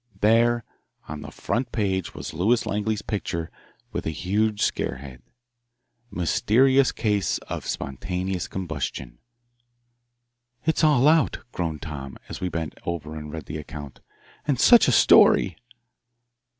There on the front page was Lewis Langley's picture with a huge scare head: MYSTERIOUS CASE OF SPONTANEOUS COMBUSTION "It's all out," groaned Tom, as we bent over to read the account. "And such a story!"